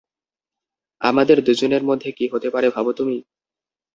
আমাদের দুজনের মধ্যে কি হতে পারে ভাবো তুমি?